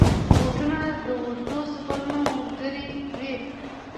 بوټونه د اوږدو سفرونو ملګري وي.